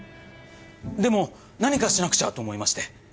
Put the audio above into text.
でも何かしなくちゃと思いまして。